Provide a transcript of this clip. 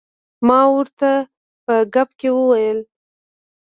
ما ورته په ګپ کې وویل.